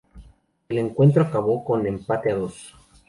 El encuentro acabó con empate a dos.